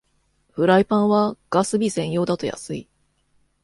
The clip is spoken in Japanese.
フライパンはガス火専用だと安い